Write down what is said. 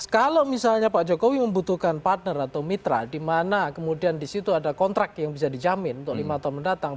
kalau misalnya pak jokowi membutuhkan partner atau mitra di mana kemudian disitu ada kontrak yang bisa dijamin untuk lima tahun mendatang